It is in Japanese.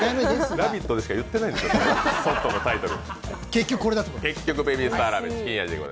「ラヴィット！」でしか言ってないけど、そのタイトル。